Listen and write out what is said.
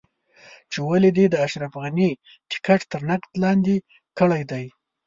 چې ولې دې د اشرف غني ټکټ تر نقد لاندې کړی دی.